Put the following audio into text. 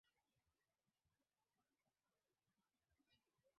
Inaweza ikawa inaimba kuhusu mapenzi lakini kwenye njia ambayo mtoto hawezi kuelewa